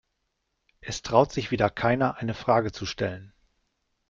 Es traut sich wieder keiner, eine Frage zu stellen.